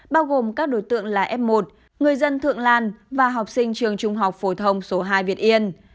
bao gồm các đối tượng là f một người dân thượng lan và học sinh trường trung học phổ thông số hai việt yên